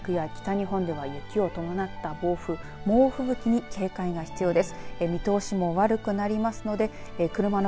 北陸や北日本では雪を伴った暴風猛吹雪に警戒が必要です。